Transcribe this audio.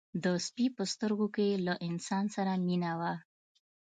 د سپي په سترګو کې له انسان سره مینه وه.